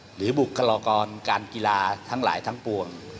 บุคลากรการกีฬาทั้งหลายทั้งปวง